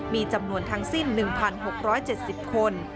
มีจำนวนทั้งสิ้น๑๖๗๐คน